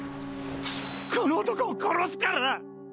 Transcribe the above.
この男を殺すから！